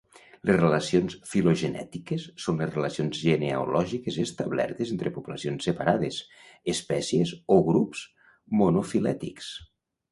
Les relacions filogenètiques són les relacions genealògiques establertes entre poblacions separades, espècies o grups monofilètics.